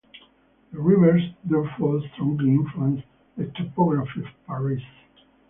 The rivers therefore strongly influence the topography of Paris.